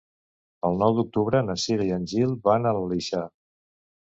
El nou d'octubre na Cira i en Gil van a l'Aleixar.